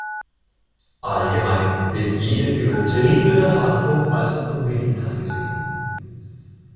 Allgemein wird jede übertriebene Handlung als unbeliebt angesehen.